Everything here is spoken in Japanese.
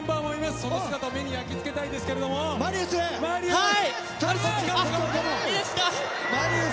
その姿を目に焼き付けたいですけどマリウス！